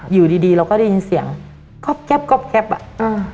อยู่ดีดีเราก็ได้ยินเสียงก๊อบแก๊บก๊อบแก๊ปอ่ะอืม